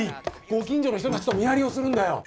ご近所の人たちと見張りをするんだよ。